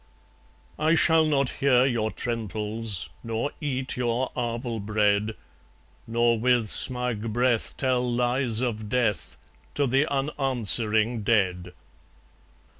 I shall not hear your trentals, Nor eat your arval bread, Nor with smug breath tell lies of death To the unanswering dead.